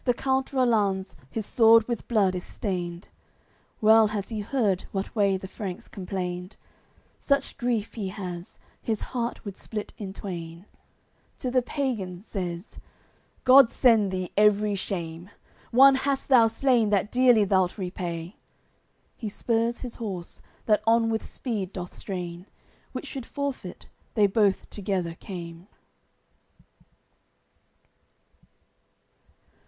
CXXI The count Rollanz, his sword with blood is stained, Well has he heard what way the Franks complained; Such grief he has, his heart would split in twain: To the pagan says: "God send thee every shame! One hast thou slain that dearly thou'lt repay." He spurs his horse, that on with speed doth strain; Which should forfeit, they both together came.